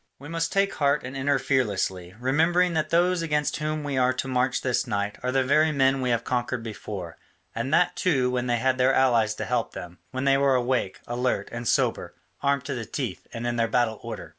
We must take heart and enter fearlessly, remembering that those against whom we are to march this night are the very men we have conquered before, and that too when they had their allies to help them, when they were awake, alert, and sober, armed to the teeth, and in their battle order.